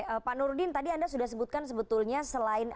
oke pak nurdin tadi anda sudah sebutkan sebetulnya selain